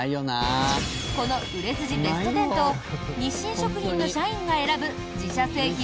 この売れ筋ベスト１０と日清食品の社員が選ぶ自社製品